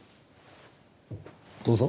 どうぞ。